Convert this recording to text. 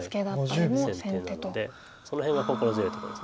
先手なのでその辺は心強いところです。